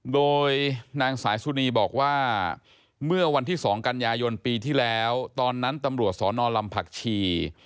โดยนางสายสุนีบอกว่าเมื่อวันที่๒กันยายนปีที่แล้วตอนนั้นตำรวจสนลำผักชี